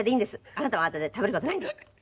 「あなたはあなたで食べる事ないんですから！」。